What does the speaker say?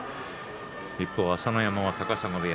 一方の朝乃山は高砂部屋。